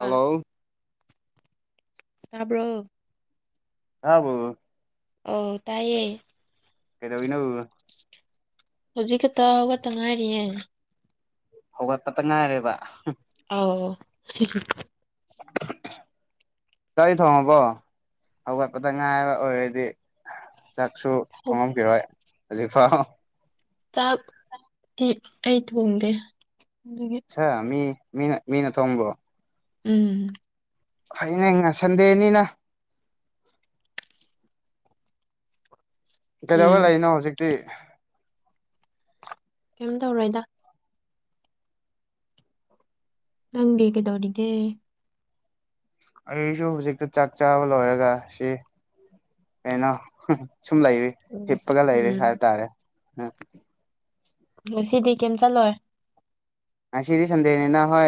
ꯑ ꯇꯥꯕ꯭ꯔꯣ ꯑꯕꯨꯣ ꯑ ꯇꯥꯏꯌꯦ ꯀꯩꯗ ꯏꯅꯣ ꯍꯧꯖꯤꯛ ꯀ ꯇꯥꯒ ꯇꯉꯥꯏꯔꯤꯦ ꯍꯧꯒꯠꯄꯇ ꯉꯥꯏꯔꯦꯕ ꯑꯣ [unintelligible] ꯆꯔꯤ ꯊꯣꯡꯉꯕꯣ ꯍꯧꯒꯠꯄꯗ ꯉꯥꯏꯕ ꯑꯣꯏꯔꯗꯤ ꯆꯥꯛꯁꯨ ꯍꯧ- ꯊꯣꯡꯉꯝꯈꯤꯔꯣꯏ ꯍꯧꯖꯤꯛꯐꯥꯎ ꯆꯥꯛ ꯑꯥꯏ ꯇ ꯋꯥꯗꯦ ꯆꯥ ꯃꯤ ꯃꯤꯅ ꯃꯤꯅ ꯊꯣꯝꯕꯔꯣ ꯎꯝ ꯍꯅꯦ ꯉꯁꯟꯗꯦꯅꯤꯅ ꯀꯩꯗꯧꯔ ꯎꯝ ꯂꯩꯅꯣ ꯍꯧꯖꯤꯛꯇꯤ ꯀꯩꯝ ꯇꯧꯔꯣꯏꯗ ꯅꯪꯦ ꯀꯗꯧꯔꯗꯦ ꯑꯩꯁꯨ ꯍꯧꯖꯤꯛꯇ ꯆꯥꯛ ꯆꯥꯕ ꯂꯣꯏꯔꯒ ꯁꯤ ꯀꯩꯅꯣ ꯁꯨꯝ ꯂꯩꯔꯤ ꯎꯝ ꯍꯤꯞꯄꯒ ꯂꯩꯔꯤ ꯎꯝ ꯍꯥꯏꯇꯥꯔꯦ ꯎꯝ ꯁꯤꯗꯤ ꯀꯩꯝ ꯆꯠꯂꯣꯏ ꯑꯁꯤꯗꯤ ꯁꯟꯗꯦꯅꯤꯅ ꯍꯣꯏ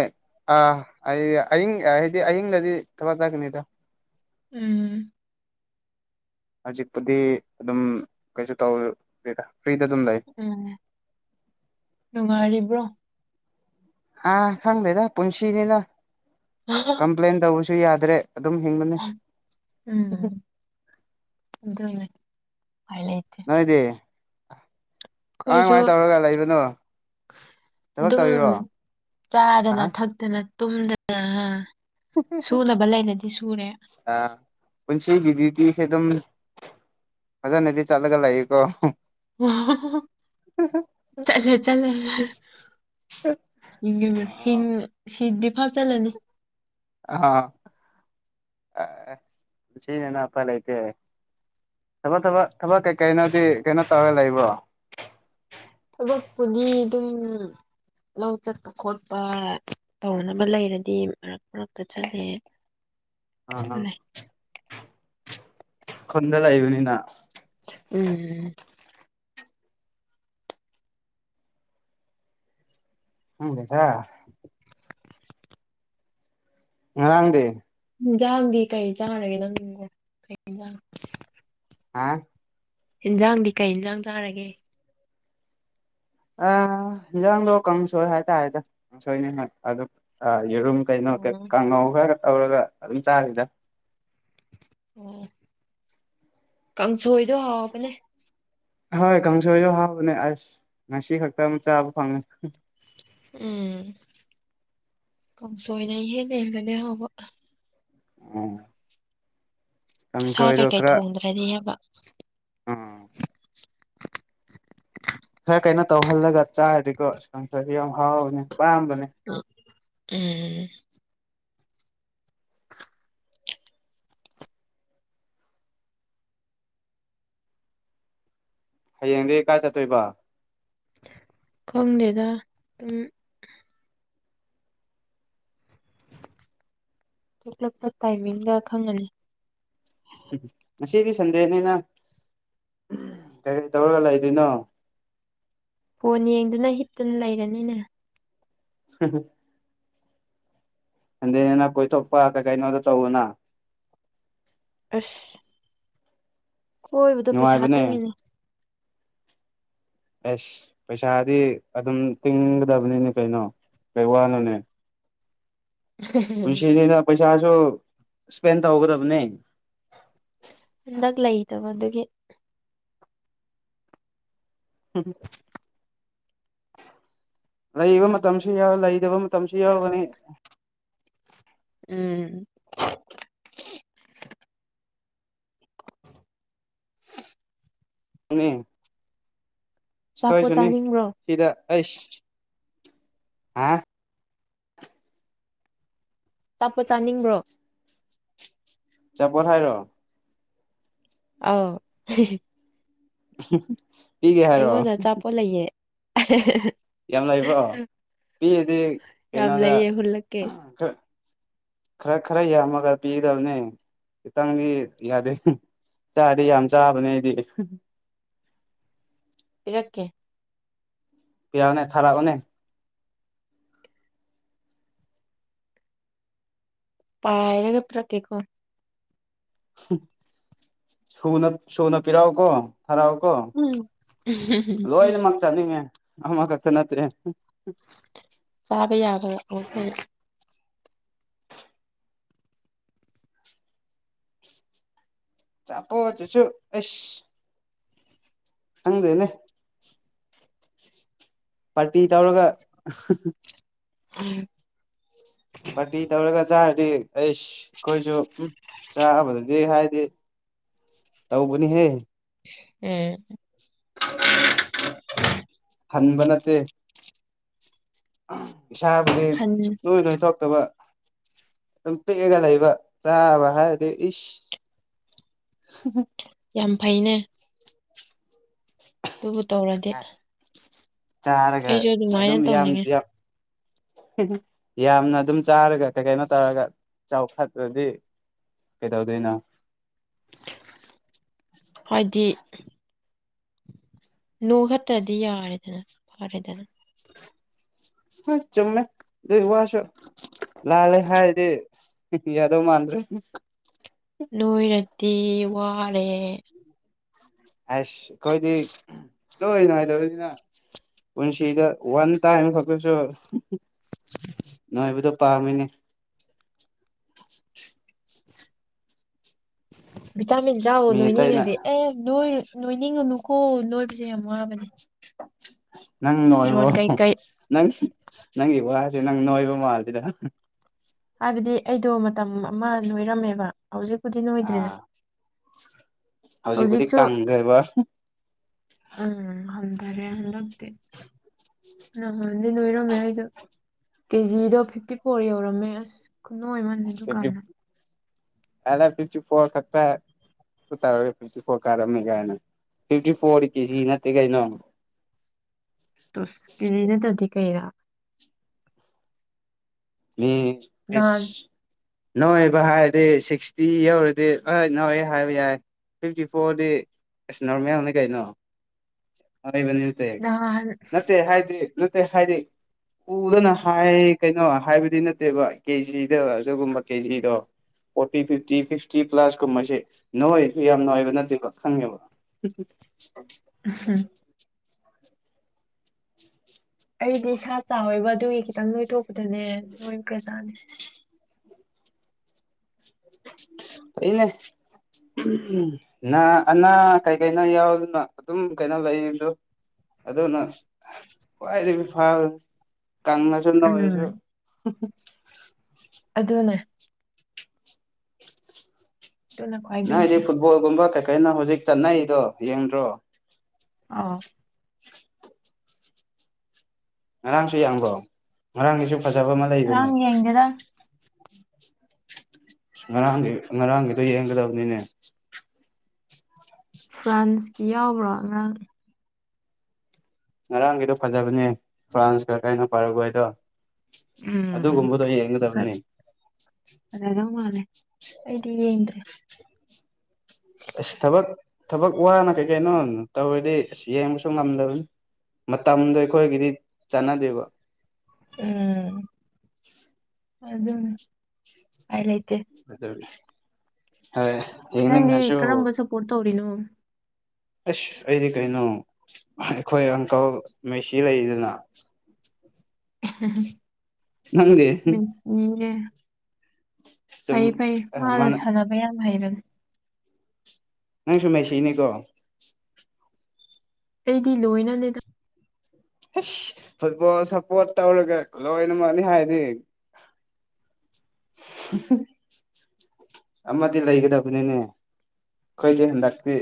ꯑꯥ ꯑꯩ ꯑꯌꯤꯡ ꯍꯥꯏꯗꯤ ꯑꯍꯤꯡꯗꯗꯤ ꯊꯕ ꯆꯥꯒꯅꯤꯗ ꯎꯝ ꯍꯧꯖꯤꯛꯄꯨꯗꯤ ꯑꯗꯨꯝ ꯀꯩꯁꯨ ꯇꯧꯒꯦꯔ ꯎꯝ ꯅꯨꯡꯉꯥꯏꯔꯤꯕ꯭ꯔꯣ ꯑꯥ ꯈꯪꯗꯦꯗ ꯄꯨꯟꯁꯤꯅꯤꯅ ꯀꯝꯄ꯭ꯂꯦꯟ ꯇꯧꯕꯁꯨ ꯌꯥꯗ꯭ꯔꯦ ꯑꯗꯨꯝ ꯍꯤꯡꯕꯅꯤ ꯎꯝ ꯑꯗꯨꯅꯦ ꯎꯄꯥꯏ ꯂꯩꯇꯦ ꯅꯣꯏꯗꯦ ꯀꯃꯥꯏ ꯑꯩꯈꯣꯏꯁꯨ ꯀꯃꯥꯏ ꯇꯧꯔꯒ ꯂꯩꯕꯅꯣ ꯊꯕꯛ ꯑꯗꯨꯝ ꯇꯧꯔꯤꯔꯣ ꯆꯥꯗꯅ ꯑ ꯊꯛꯇꯅ ꯇꯨꯝꯗꯅ ꯑ ꯁꯨꯅꯕ ꯂꯩꯅꯗꯤ ꯁꯨꯔꯦ ꯄꯨꯟꯁꯤꯒꯤꯗꯤꯗꯤꯁꯦ ꯑꯗꯨꯝ ꯐꯖꯅꯗꯤ ꯆꯠꯂꯒ ꯂꯩꯥꯛꯌꯦꯀꯣ [unintelligible] ꯆꯂꯦ ꯆꯂꯦ ꯍ ꯁꯤꯗꯤ ꯐꯞ ꯆꯠꯂꯅꯤ ꯑ ꯑꯅꯄꯥ ꯂꯩꯥꯏꯇ ꯊꯕꯛ ꯊꯕꯛ ꯊꯕꯛ ꯀꯩꯀꯩꯅꯣꯗꯤ ꯀꯩꯅꯣ ꯇꯧꯔꯒ ꯂꯩꯕ꯭ꯔꯣ ꯊꯕꯛꯄꯨꯗꯤ ꯑꯗꯨꯝ ꯂꯧ ꯆꯠꯄ ꯈꯣꯠꯄ ꯇꯧꯅꯕ ꯂꯩꯔꯗꯤ ꯃꯔꯛ ꯃꯔꯛꯇ ꯆꯠꯂꯦ ꯑ ꯑ ꯂꯩ ꯈꯟꯗ ꯂꯥꯏꯕꯅꯤꯅ ꯎꯝ ꯎꯝ ꯂꯩꯗ ꯔꯥꯡꯗꯦ ꯌꯦꯟꯖꯥꯡꯗꯤ ꯀꯩ ꯆꯥꯔꯒꯦ ꯅꯪꯪꯒꯣ ꯀꯩ ꯍꯥ ꯏꯟꯖꯥꯡꯗꯤ ꯀꯩ ꯌꯦꯟꯖꯥꯡ ꯆꯥꯔꯒꯦ ꯑ ꯍꯟꯖꯥꯡꯗꯣ ꯀꯥꯡꯁꯣꯏ ꯍꯥꯏꯇꯥꯔꯦꯗ ꯀꯥꯡꯁꯣꯏꯅꯤ ꯑꯗꯨ ꯌꯦꯔꯨꯝ ꯀꯩꯅꯣ ꯑꯣ ꯀꯥꯡꯉꯧ ꯈꯔꯒ ꯇꯧꯔꯒ ꯑꯗꯨꯝ ꯆꯥꯔꯤꯗ ꯑꯣ ꯀꯥꯡꯁꯣꯏꯗꯣ ꯍꯥꯎꯕꯅꯦ ꯍꯣꯏ ꯀꯥꯡꯁꯣꯏꯁꯨ ꯍꯥꯎꯕꯅꯦ ꯑꯁ ꯉꯁꯤ ꯈꯛꯇ ꯑꯃ ꯆꯥꯕ ꯐꯪꯉꯦ ꯎꯝ ꯀꯝ ꯁꯣꯏꯅꯍꯦ ꯂꯩꯕꯅꯦ ꯍꯕ ꯑ ꯑ ꯁꯥ ꯆꯣꯗ ꯀꯩꯀꯩ ꯑꯣꯀ꯭ꯔ ꯊꯣꯡꯗ꯭ꯔꯗꯤ ꯍꯥꯏꯕ ꯎꯝ ꯈꯔ ꯀꯩꯅꯣ ꯇꯧꯍꯜꯂꯒ ꯆꯥꯔꯗꯤꯀꯣ ꯑ ꯈꯪ ꯈꯔꯁꯨ ꯌꯥꯝ ꯍꯥꯎꯕꯅꯦ ꯄꯥꯝꯕꯅꯦ ꯎꯝ ꯍꯌꯦꯡꯗꯒꯤ ꯀꯥꯏ ꯆꯠꯇꯣꯏꯕ ꯈꯣꯡꯂꯗ ꯊꯣꯛꯂꯛꯄ ꯇꯥꯏꯃꯤꯡꯗ ꯈꯪꯒꯅꯤ ꯃꯁꯤꯗꯤ ꯁꯟꯗꯦꯅꯤꯅ ꯀ ꯇꯧꯒꯂ ꯏꯗꯅꯣ ꯐꯣꯟ ꯌꯦꯡꯗꯨꯅ ꯍꯤꯞꯇꯨꯅ ꯂꯩꯔꯅꯤꯅꯦ ꯍꯥ ꯑꯗꯅ ꯀꯣꯏ ꯆꯣꯄ ꯀꯥꯏꯅꯗ ꯆꯧꯎꯅꯥ ꯑꯁ ꯍꯣꯏꯕꯗ ꯄꯩꯁꯥ ꯅꯨꯡꯉꯥꯏꯕꯅꯦ ꯊꯦꯡꯉꯦꯅꯦ ꯑꯦꯁ ꯄꯩꯁꯥꯗꯤ ꯑꯗꯨꯝ ꯇꯤꯡꯒꯗꯕꯅꯤꯅꯦ ꯀꯩꯅꯣ ꯀꯩ ꯋꯥꯅꯣꯅꯦ ꯄꯨꯁꯤ ꯄꯩꯁꯥꯁꯨ ꯁꯄꯦꯟ ꯊꯒꯅꯦ ꯍꯟꯗꯛ ꯂꯩꯗꯕ ꯑꯗꯨꯒꯤ ꯎꯝ ꯂꯩꯕ ꯃꯇꯝꯁꯨ ꯂꯩꯇꯕ ꯃꯇꯝꯁꯨ ꯌꯥꯎꯒꯅꯤ ꯎꯝ ꯅꯤ ꯑꯆꯥꯄꯣꯠ ꯀꯣꯏꯁꯨꯅꯤ ꯆꯥꯅꯤꯡꯕ꯭ꯔꯣ ꯁꯤꯗ ꯑꯩꯁ ꯍꯥ ꯆꯞꯄ ꯆꯥꯅꯤꯡꯕ꯭ꯔꯣ ꯆꯞꯄꯜ ꯍꯥꯏꯔꯣ ꯑꯥꯎ ꯄꯤꯒꯦ ꯍꯥꯏꯔꯣ ꯍ ꯌꯥꯝ ꯂꯩꯕ꯭ꯔꯣ ꯄꯤꯔꯗꯤ ꯌꯥꯝ ꯀꯩꯅꯣꯗ ꯂꯩꯌꯦ ꯍꯨꯜꯂꯛꯀꯦ ꯈꯔ ꯈꯔ ꯈꯔ ꯌꯥꯝꯃꯒ ꯄꯤꯒꯗꯕꯅꯦ ꯈꯤꯇꯪꯗꯤ ꯌꯥꯗꯦ ꯆꯥꯗꯤ ꯌꯥꯝ ꯆꯥꯕꯅꯦ ꯑꯩꯗꯤ ꯄꯤꯔꯛꯀꯦ ꯄꯤꯔꯅ ꯊꯔꯛ ꯑꯣꯅ ꯄꯥꯏꯔꯒ ꯄꯨꯔꯛ ꯀꯦꯈꯣ ꯁꯅ ꯁꯨꯅ ꯄꯤꯔꯑꯣ ꯀꯣ ꯍꯔꯥꯎꯀꯣ ꯂꯣꯏꯅꯃꯛ ꯆꯠꯅꯤꯡꯉꯦ ꯑꯃꯈꯛꯇ ꯅꯠꯇ꯭ꯔꯦ ꯆꯥꯕ ꯌꯥꯕ ꯆꯥꯄꯣꯆꯦ ꯁ ꯑꯁ ꯍꯪꯗꯦꯅꯦ ꯄꯥꯔꯇꯤ ꯇꯧꯔꯒ ꯎꯝ ꯄꯥꯔꯇꯤ ꯇꯧꯔꯒ ꯆꯥꯔꯗꯤ ꯑꯩꯁ ꯑꯩꯈꯣꯏꯁꯨ ꯎ ꯆꯥꯕꯗꯗꯤ ꯇꯧꯕꯅꯤ ꯍꯦ ꯎꯝ [unintelligible] ꯍꯟꯕ ꯅꯠꯇꯦ ꯏꯁꯥꯕꯨꯗꯤ ꯍꯟ ꯁꯨ ꯅꯣꯏ ꯅꯣꯏ ꯊꯣꯛꯇꯕ ꯄꯦꯒ ꯂꯩ ꯂꯩꯕ ꯆꯥꯕ ꯍꯥꯏꯗꯤ ꯏꯁ ꯍ [unintelligible] ꯌꯥꯝ ꯐꯩꯅꯦ ꯑꯗꯨꯕꯨ ꯇꯧꯔꯗꯤ ꯆꯥꯔꯒ ꯑꯩꯁꯨ ꯑꯗꯨꯃꯥꯏꯅ ꯑꯗꯨꯝ ꯌꯥꯝ ꯇꯧꯅꯤꯡꯉꯦ ꯌꯥꯝꯅ ꯑꯗꯨꯝ ꯆꯥꯔꯒ ꯀꯩ ꯀꯩꯅꯣ ꯇꯧꯔꯒ ꯆꯥꯎ ꯐꯄ꯭ꯔꯗꯤ ꯀꯩꯗꯧꯗꯣꯏꯅ ꯍꯣꯏꯗꯤ ꯅꯣꯡ ꯈꯠꯇ꯭ꯔꯗꯤ ꯌꯥꯔꯦꯗꯅ ꯐꯔꯦꯗꯅ ꯍ ꯆꯃꯦ ꯋꯥꯁ ꯂꯥꯜꯂꯦ ꯍꯥꯏꯔꯗꯤ ꯌꯥꯗꯧ ꯃꯥꯟꯗ꯭ꯔꯦ ꯂꯣꯏꯔꯗꯤ ꯋꯥꯔꯦ ꯑꯁ ꯀꯣꯏꯗꯤ ꯂꯣꯏ ꯅꯥꯏꯗꯧꯔꯤꯅꯤꯅ ꯄꯨꯟꯁꯤꯗ ꯋꯥꯟ ꯇꯥꯏꯝ ꯈꯛꯇꯁꯨ ꯅꯣꯏꯕꯨꯗ ꯄꯥꯝꯃꯤꯅꯦ ꯚꯤꯇꯥꯃꯤꯟ ꯆꯥꯎꯕ ꯃꯤ ꯑꯇꯩꯅ ꯅꯣꯏꯅꯤꯡꯉꯗꯤ ꯑꯦ ꯂꯣꯏꯔꯨ ꯂꯣꯏꯅꯤꯡꯉꯨꯅꯨꯀꯣ ꯂꯣꯏꯕꯁꯦ ꯌꯥꯝ ꯋꯥꯕꯅꯦ ꯅꯪ ꯅꯨꯡꯉꯥꯏꯕ꯭ꯔꯣ ꯐꯤꯔꯣꯟ ꯀꯩꯀꯩ ꯅꯪ ꯅꯪꯒꯤ ꯋꯥꯁꯦ ꯅꯪ ꯅꯣꯏꯕ ꯃꯥꯜꯜꯂꯤꯗ ꯍꯥꯏꯕꯗꯤ ꯑꯩꯗꯣ ꯃꯇꯝ ꯑꯃ ꯅꯣꯏꯔꯝꯃꯦꯕ ꯍꯧꯖꯤꯛꯄꯨꯗꯤ ꯅꯣꯏꯗ꯭ꯔꯤꯅꯦ ꯑꯥ ꯍꯧꯖꯤꯛꯄꯨꯗꯤ ꯍꯧꯖꯤꯛꯁꯨ ꯀꯪꯈ꯭ꯔꯦꯕ ꯎꯝ ꯇꯔꯦꯂꯦ ꯅꯍꯥꯟꯗꯤ ꯂꯣꯏꯔꯝꯃꯦ ꯍꯥꯏꯁꯨ ꯀꯦꯖꯤꯗꯣ ꯐꯤꯞꯇꯤ ꯐꯣꯔ ꯌꯧꯔꯝꯃꯦ ꯑꯁ ꯈꯨꯅꯨ ꯑꯃꯅꯤꯅꯦ ꯑꯗꯨꯗꯨꯀꯥꯟꯗ ꯑꯅ ꯐꯤ ꯆꯨꯞꯄ ꯑꯣꯏ ꯁꯇꯥ ꯔꯒ ꯐꯤꯇꯤ ꯐꯣꯔ ꯀꯥꯔꯝꯃꯦ ꯀꯥꯏꯅ ꯐꯤꯇꯤ ꯐꯣꯔ ꯀꯦꯖꯤ ꯅꯠꯇꯦ ꯀꯩꯅꯣ [unintelligible] ꯇꯁꯀꯤꯖꯤꯅꯦ ꯑꯗꯨ ꯑꯗꯤ ꯀꯩꯔ ꯃꯤ ꯅꯍꯥꯟ ꯐꯁ ꯅꯣꯏꯕ ꯍꯥꯏꯔꯗꯤ ꯁꯤꯛꯁꯇꯤ ꯌꯧꯔꯗꯤ ꯍꯣꯏ ꯅꯣꯏ ꯍꯥꯏꯕ ꯌꯥꯏ ꯐꯤꯐꯇꯤ ꯐꯣꯔꯗꯤ ꯑꯁ ꯅꯎꯃꯦꯌꯥꯝꯅ ꯀꯩꯅꯣ ꯂꯩꯕꯅꯤ ꯇ ꯅꯍꯥꯟ ꯅꯠꯇꯦ ꯍꯥꯏꯗꯤ ꯅꯠꯇꯦ ꯍꯥꯏꯗꯤ ꯎꯗꯅ ꯍꯥꯏ ꯀꯩꯅꯣ ꯍꯥꯏꯕꯗꯤ ꯅꯠꯇꯦꯕ ꯀꯦꯖꯤꯗ ꯑꯗꯨꯒꯨꯝꯕ ꯀꯦꯖꯤꯗꯣ ꯐꯣꯔꯇꯤ ꯐꯤꯐꯇꯤ ꯐꯤꯐꯇꯤ ꯄ꯭ꯂꯥꯁ ꯀꯨꯝꯕꯁꯦ ꯅꯣꯏꯁꯨ ꯌꯥꯝ ꯅꯨꯡꯉꯥꯏꯕ ꯅꯠꯇꯦꯕ ꯈꯪꯉꯦꯕ ꯎꯝ ꯎꯝ ꯑꯩꯗꯤ ꯁꯥ ꯆꯥꯋꯣꯏꯕ ꯑꯗꯨꯒꯤ ꯈꯤꯇꯪ ꯅꯣꯏꯊꯣꯛꯄꯗꯅꯦ ꯂꯣꯏ ꯄ꯭ꯔꯖꯥꯅꯦ ꯐꯩꯅꯦ ꯅꯥ ꯑꯅꯥ ꯀꯩ ꯀꯩꯅꯣ ꯌꯥꯎꯗꯅ ꯑꯗꯨꯝ ꯀꯩꯅꯣ ꯂꯩꯗ ꯑꯗꯨꯅ ꯈ꯭ꯋꯥꯏꯗꯒꯤ ꯐꯥꯕ ꯀꯪꯉꯁꯨ ꯎꯝ ꯅꯣꯏꯔꯁꯨ ꯑꯗꯨꯅꯦ ꯑꯗꯨꯅ ꯈ꯭ꯋꯥꯏ ꯅꯪꯗꯤ ꯕꯦꯁꯅꯦ ꯐꯨꯠꯕꯣꯜꯒꯨꯝꯕ ꯀꯩꯀꯩꯅ ꯍꯧꯖꯤꯛ ꯆꯠꯅꯔꯤꯗꯣ ꯌꯦꯡꯗ꯭ꯔꯣ ꯑ ꯉꯔꯥꯡꯁꯨ ꯌꯥꯡꯕ꯭ꯔꯣ ꯉꯔꯥꯡꯒꯤꯁꯨ ꯐꯖꯕ ꯑꯃ ꯂꯩꯕꯅꯦ ꯉꯔꯥꯡ ꯌꯦꯡꯗꯦꯗ ꯉꯔꯥꯡꯒꯤ ꯉꯔꯥꯡꯒꯤꯗꯣ ꯌꯦꯡꯒꯗꯕꯅꯤꯅꯦ ꯐ꯭ꯔꯥꯟꯁꯀꯤ ꯌꯥꯎꯕ꯭ꯔꯥ ꯉꯔꯥꯡ ꯉꯔꯥꯡꯒꯤꯗꯣ ꯐꯖꯕꯅꯦ ꯐ꯭ꯔꯥꯟꯁꯀ ꯀꯩꯅꯣ ꯐꯔꯒ ꯍꯥꯏꯗꯣ ꯎꯝ ꯑꯗꯨꯒꯨꯝꯕꯗꯣ ꯌꯦꯡꯒꯗꯕꯅꯦ ꯐꯖꯗꯧ ꯃꯥꯜꯂꯦ ꯑꯩꯗꯤ ꯌꯦꯡꯗ꯭ꯔꯦ ꯑꯁ ꯊꯕꯛ ꯊꯕꯛ ꯋꯥꯅ ꯀꯩ ꯀꯩꯅꯣ ꯇꯧꯔꯗꯤ ꯑꯁ ꯌꯦꯡꯕꯁꯨ ꯉꯝꯗꯕꯅꯤ ꯃꯇꯝꯗꯣ ꯑꯩꯈꯣꯏꯒꯤꯗꯤ ꯆꯥꯟꯅꯗꯦꯕ ꯎꯝ ꯑꯗꯨꯅꯦ ꯄꯥꯏ ꯂꯩ ꯑꯗꯨꯅ ꯅꯪꯗꯤ ꯀꯔꯝꯕꯁꯨꯄꯣꯔꯇ ꯇꯧꯔꯤꯅꯣ ꯑꯁ ꯑꯩꯗꯤ ꯀꯩꯅꯣ ꯑꯩꯈꯣꯏ ꯑꯪꯀꯜ ꯃꯦꯁꯤ ꯂꯩꯗꯅ ꯅꯪꯗꯤ ꯃꯦꯁꯤꯌꯦ ꯁꯨꯝ ꯐꯩ ꯐꯩ ꯃꯥꯅ ꯁꯥꯟꯅꯕ ꯌꯥꯝ ꯍꯩꯕꯅꯤ ꯅꯪ ꯁꯨ ꯃꯦꯁꯤꯅꯦꯀꯣ ꯑꯩꯗꯤ ꯂꯣꯏꯅꯅꯦꯗ ꯏꯁ ꯐꯨꯠꯕꯣꯜ ꯁꯞꯄꯣꯔꯠ ꯇꯧꯔꯒ ꯂꯣꯏꯅꯃꯛꯅꯤ ꯍꯥꯏꯗꯤ ꯑꯟꯏꯟꯇꯦꯜꯂꯤꯖꯦꯕꯜ ꯑꯃꯗꯤ ꯂꯩꯒꯗꯕꯅꯤꯅꯦ ꯑꯩꯈꯣꯏꯗꯤ ꯍꯟꯗꯛꯇꯤ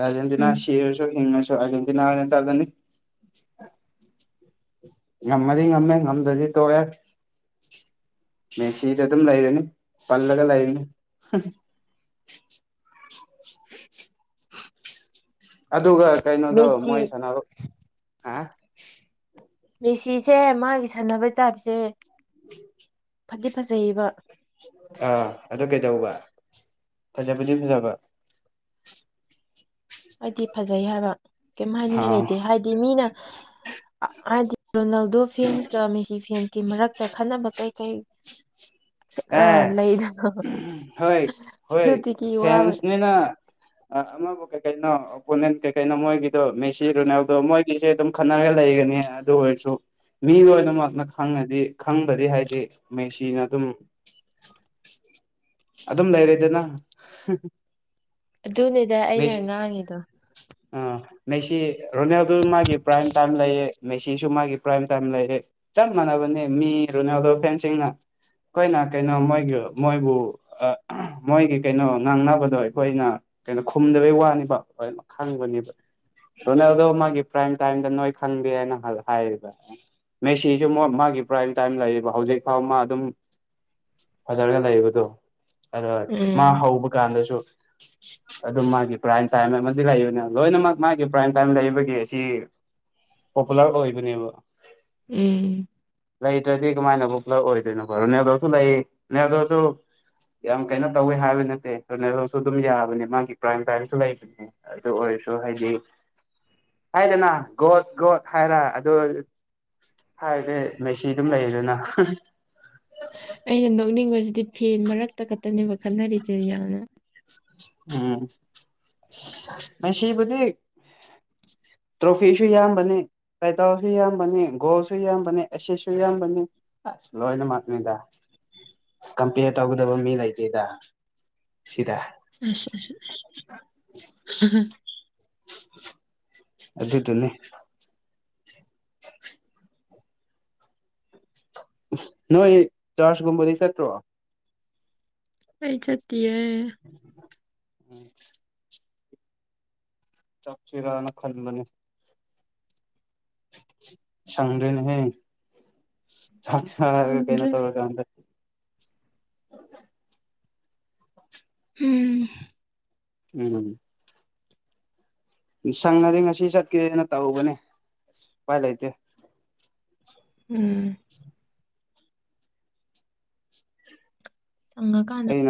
ꯑꯥꯔꯖꯦꯟꯇꯤꯅꯥ ꯎꯝ ꯁꯤꯒ꯭ꯔꯁꯨ ꯍꯤꯡꯉꯁꯨ ꯑꯔꯖꯦꯟꯇꯤꯅꯥ ꯑꯣꯏꯅ ꯆꯠꯂꯅꯤ ꯉꯝꯃꯗꯤ ꯉꯝꯃꯦ ꯉꯝꯗꯗꯤ ꯇꯣꯛꯑꯦ ꯃꯦꯁꯤꯗ ꯑꯗꯨꯝ ꯂꯩꯔꯅꯤ ꯄꯜꯂꯒ ꯂꯩꯔꯅꯤ ꯑꯟꯑꯣꯗꯤꯕꯜ ꯑꯗꯨꯒ ꯀꯩꯅꯩꯗꯨ ꯃꯦꯁꯤ ꯃꯣꯏ ꯁꯅ ꯍꯥ ꯃꯦꯁꯤꯁꯦ ꯃꯥꯒꯤ ꯁꯥꯟꯅꯕꯩ ꯇꯥꯏꯞꯁꯦ ꯎꯝ ꯐꯗꯤ ꯐꯖꯩꯕ ꯑꯥ ꯑꯗꯨ ꯀꯩꯗꯧꯕ ꯐꯖꯕꯗꯤ ꯐꯖꯕ ꯑꯩꯗꯤ ꯐꯖꯩ ꯍꯥꯏꯕ ꯀꯩꯝ ꯑꯥ ꯍꯥꯏꯅꯤꯡꯉꯥꯏ ꯂꯩꯇꯦ ꯍꯥꯏꯗꯤ ꯃꯤꯅ ꯍ ꯑ ꯍꯥꯏꯗꯤ ꯔꯣꯅꯥꯜꯗꯣ ꯐꯦꯟꯁꯀ ꯃꯦꯁꯤ ꯐꯦꯟꯁꯀꯤ ꯃꯔꯛꯇ ꯈꯟꯅꯕ ꯀꯩ ꯀꯩ ꯑ ꯑꯦ ꯂꯩꯗꯅ ꯍꯣꯏ ꯍꯣꯏ ꯑꯗꯨꯗꯒꯤ ꯋꯥꯕ ꯐꯦꯟꯁꯅꯤꯅ ꯑꯃꯕꯨ ꯀꯩ ꯀꯩꯅꯣ ꯑꯣꯄꯣꯅꯦꯟ ꯀꯩꯀꯩꯅꯣ ꯃꯣꯏꯒꯤꯗꯣ ꯃꯦꯁꯤ ꯔꯣꯅꯥꯜꯗꯣ ꯃꯣꯏꯒꯤꯁꯦ ꯑꯗꯨꯝ ꯈꯟꯅꯔꯒ ꯂꯩꯒꯅꯤ ꯑꯗꯣ ꯑꯣꯏꯔꯁꯨ ꯃꯤ ꯂꯣꯏꯅꯃꯛꯅ ꯈꯪꯉꯗꯤ ꯈꯪꯕꯗꯤ ꯍꯥꯏꯗꯤ ꯃꯦꯁꯤꯅ ꯑꯗꯨꯝ ꯑꯗꯨꯝ ꯂꯩꯔꯦꯗꯅ ꯑꯗꯨꯅꯦꯗ ꯑꯩꯅ ꯃꯦꯁꯤ ꯉꯥꯡꯉꯤꯗꯣ ꯑꯥ ꯃꯦꯁꯤ ꯔꯣꯅꯥꯜꯗꯣ ꯃꯥꯒꯤ ꯄ꯭ꯔꯥꯏꯝ ꯇꯥꯏꯝ ꯂꯩꯌꯦ ꯃꯦꯁꯤꯁꯨ ꯃꯥꯒꯤ ꯄ꯭ꯔꯥꯏꯝ ꯇꯥꯏꯝ ꯂꯩꯑ ꯆꯞ ꯃꯥꯟꯅꯕ ꯃꯤ ꯔꯣꯅꯥꯜꯗꯣ ꯐꯦꯟꯁꯤꯡꯅ ꯑꯩꯈꯣꯏꯅ ꯀꯩꯅꯣ ꯃꯣꯏꯒꯤ ꯃꯣꯏꯕꯨ ꯑ ꯃꯣꯏꯒꯤ ꯀꯩꯅꯣ ꯉꯥꯡꯅꯕꯗꯣ ꯑꯩꯈꯣꯏꯅ ꯀꯩꯅꯣ ꯈꯨꯝꯗꯕꯩ ꯋꯥꯅꯤꯕ ꯂꯣꯏꯅ ꯈꯪꯕꯅꯦꯕ ꯔꯣꯅꯥꯜꯗꯣ ꯃꯥꯒꯤ ꯄ꯭ꯔꯥꯏꯝ ꯇꯥꯏꯝꯗ ꯅꯣꯏ ꯈꯪꯗꯦ ꯍꯥꯏꯅ ꯍꯥꯏꯔꯤꯕ ꯃꯦꯁꯤꯁꯨ ꯃꯣ ꯃꯥꯒꯤ ꯄ꯭ꯔꯥꯝ ꯇꯥꯏꯝ ꯂꯩꯌꯦꯕ ꯍꯧꯖꯤꯛ ꯐꯥꯎ ꯃꯥ ꯑꯗꯨꯝ ꯐꯖꯔꯒ ꯂꯩꯕꯗꯣ ꯑꯗ ꯃꯥ ꯎꯝ ꯍꯧꯕ ꯀꯥꯟꯗꯁꯨ ꯑꯗꯨꯝ ꯃꯥꯒꯤ ꯄ꯭ꯔꯥꯏꯝ ꯇꯥꯏꯝ ꯑꯃꯗꯤ ꯂꯩꯕꯅꯤ ꯂꯣꯏꯅꯃꯛ ꯃꯥꯒꯤ ꯄ꯭ꯔꯥꯏꯝ ꯇꯥꯏꯝ ꯂꯩꯕꯒꯤ ꯑꯁꯤ ꯄꯣꯄꯨꯂꯔ ꯑꯣꯏꯕꯅꯦꯕ ꯎꯝ ꯂꯩꯇ꯭ꯔꯗꯤ ꯀꯃꯥꯏꯅꯕꯨꯛ ꯄꯨꯂꯞ ꯑꯣꯏꯗꯣꯏꯅꯣ ꯔꯣꯅꯗꯣꯜꯁꯨ ꯂꯩ ꯔꯣꯅꯗꯣꯜꯁꯨ ꯌꯥꯝ ꯀꯩꯅꯣ ꯇꯧꯋꯤ ꯍꯥꯏꯕ ꯅꯠꯇꯦ ꯑꯗꯨꯝ ꯌꯥ ꯑꯗꯨ ꯃꯥꯒꯤ ꯀ꯭ꯔꯥꯏꯝ ꯇꯥꯏꯝꯁꯨ ꯂꯩꯕꯅꯦ ꯑꯗꯨ ꯑꯣꯏꯔꯁꯨ ꯍꯥꯏꯗꯤ ꯍꯥꯏꯗꯦꯅ ꯒꯣꯠ ꯒꯣꯠ ꯍꯥꯏꯔ ꯑꯗꯨ ꯍꯥꯏꯕꯗꯤ ꯃꯦꯁꯤ ꯑꯗꯨꯝ ꯂꯩꯗꯅ ꯑꯩꯅ ꯅꯣꯛꯅꯤꯡꯕꯁꯤꯗꯤ ꯐꯦꯟ ꯃꯔꯛꯇ ꯈꯛꯇꯅꯦꯕ ꯈꯠꯟꯅꯔꯤꯁꯦ ꯌꯥꯝꯅ ꯎꯝ ꯃꯦꯁꯤꯕꯨꯗꯤ ꯇ꯭ꯔꯣꯐꯤꯁꯨ ꯌꯥꯝꯕꯅꯦ ꯇꯥꯏꯇꯥꯎꯁꯨ ꯌꯥꯝꯕꯅꯤ ꯒꯣꯜꯁꯨ ꯌꯥꯝꯕꯅꯤ ꯑꯦꯁꯁꯨ ꯌꯥꯝꯕꯅꯤ ꯑꯁ ꯂꯣꯏꯅꯃꯛꯅꯤꯗ ꯀꯝꯄꯦꯌꯔ ꯇꯧꯒꯗꯕ ꯃꯤ ꯂꯩꯇꯦꯗ ꯁꯤꯗ [unintelligible] ꯑꯗꯨꯗꯨꯅꯤ ꯅꯣꯏ ꯆꯥꯔꯖꯀꯨꯝꯕꯗꯤ ꯆꯠꯇ꯭ꯔꯣ ꯑꯩꯏ ꯆꯠꯇꯤꯌꯦ ꯎꯝ ꯆꯠꯁꯤꯔꯅ ꯈꯜꯕꯅꯤ ꯁꯪꯗꯔꯦꯅꯦꯍꯦ ꯀꯩꯅꯣ ꯁꯪꯗ꯭ꯔꯦ ꯇꯧꯔ ꯀꯥꯟꯗ ꯎꯝ ꯎꯝ ꯁꯪꯅꯗꯤ ꯉꯁꯤ ꯆꯠꯀꯦꯅ ꯇꯧꯕꯅꯦ ꯎꯄꯥꯏ ꯂꯩꯇꯦ ꯎꯝ ꯆꯪꯉ ꯀꯥꯟꯗꯥ ꯑꯩ